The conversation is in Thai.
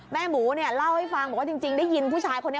หมูเนี่ยเล่าให้ฟังบอกว่าจริงได้ยินผู้ชายคนนี้